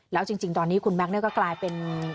แล้วจริงตอนนี้คุณแม็กซ์ก็กลายเป็น